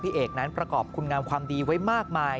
เอกนั้นประกอบคุณงามความดีไว้มากมาย